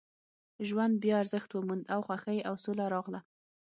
ژوند بیا ارزښت وموند او خوښۍ او سوله راغله